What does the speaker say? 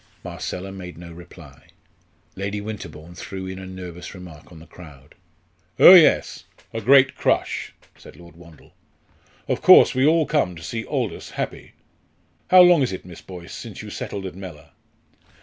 Marcella made no reply. Lady Winterbourne threw in a nervous remark on the crowd. "Oh, yes, a great crush," said Lord Wandle. "Of course, we all come to see Aldous happy. How long is it, Miss Boyce, since you settled at Mellor?"